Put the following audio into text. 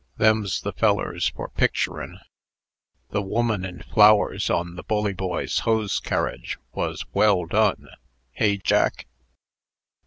Them's the fellers for picturin'. The woman and flowers on the Bully Boys' hose carriage wos well done. Hey, Jack?"